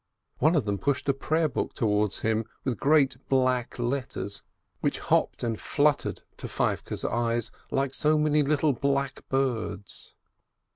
One of them pushed a prayer book towards him, with great black letters, which hopped and fluttered to Feivke's eyes like so many little black birds.